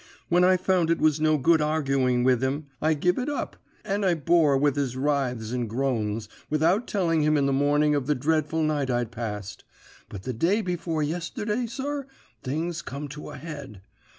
When I found it was no good arguing with him I give it up, and I bore with his writhes and groans, without telling him in the morning of the dreadful night I'd passed. But the day before yesterday, sir, things come to a head.